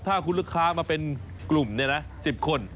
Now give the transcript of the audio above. ถ้าคุณลูกค้ามาเป็นกลุ่ม๑๐คน